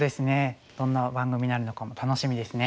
どんな番組になるのかも楽しみですね。